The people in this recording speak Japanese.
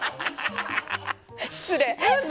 失礼。